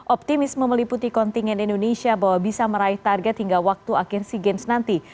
optimisme meliputi kontingen indonesia bahwa bisa meraih target hingga waktu akhir sea games nanti